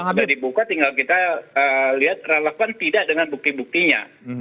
sudah dibuka tinggal kita lihat relevan tidak dengan bukti buktinya